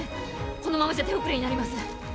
「このままじゃ手遅れになります」